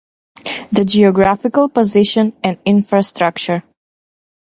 The geographical position and infrastructure.